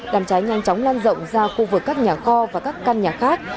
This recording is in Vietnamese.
đám cháy nhanh chóng lan rộng ra khu vực các nhà kho và các căn nhà khác